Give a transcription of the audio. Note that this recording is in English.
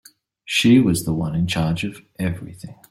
She was the one in charge of everything.